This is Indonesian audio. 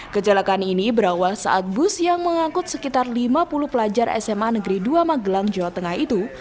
kecelakaan ini berawal saat bus yang mengangkut sekitar lima puluh pelajar sma negeri dua magelang jawa tengah itu